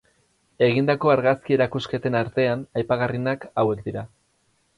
Egindako argazki-erakusketen artean aipagarrienak hauek dira.